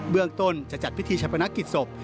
เรื่องต้นจะจัดพิธีชะพนักกิจศพ